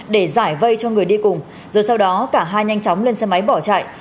để giải vây cho người đi cùng rồi sau đó cả hai nhanh chóng lên xe máy bỏ chạy